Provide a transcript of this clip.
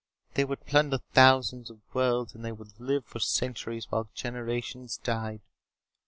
They would plunder thousands of worlds and they would live for centuries while generations died.